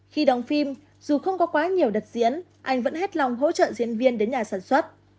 khi đóng phim dù không có quá nhiều đợt diễn anh vẫn hết lòng hỗ trợ diễn viên đến nhà sản xuất